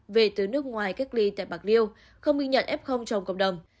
về từ nước ngoài cách ly tại bạc liêu không ghi nhận f trong cộng đồng